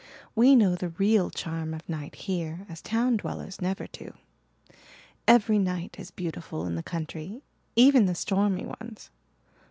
We know the real charm of night here as town dwellers never do. Every night is beautiful in the country even the stormy ones.